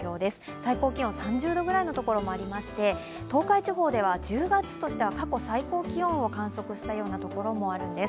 最高気温３０度くらいのところもありまして、東海地方では１０月としては過去最高気温を観測したところもあるんです。